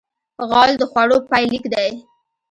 غول د خوړو پای لیک دی.